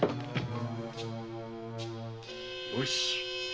よし。